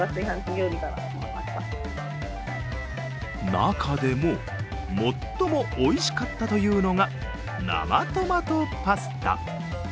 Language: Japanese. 中でも、最もおいしかったといのうが生トマトパスタ。